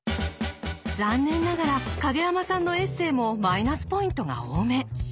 残念ながら影山さんのエッセーもマイナスポイントが多め。